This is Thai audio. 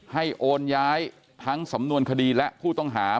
โอนย้ายทั้งสำนวนคดีและผู้ต้องหา